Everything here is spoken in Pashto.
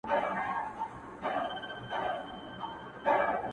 مُلا سړی سو په خپل وعظ کي نجلۍ ته ويل ـ